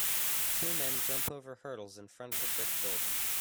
Two men jump over hurdles in front of a brick building.